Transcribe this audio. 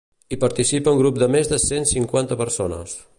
Hi participa un grup de més de cent cinquanta persones.